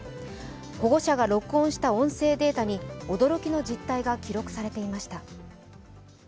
保護者が録音した音声データに驚きの実態が記録されていました。